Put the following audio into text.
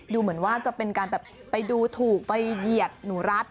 ดูเหมือนว่าจะไปดูถูกไปเหยียดหนูรัท